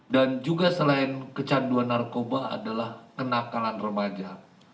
dan juga selain kecanduan narkoba adalah kenakalan remaja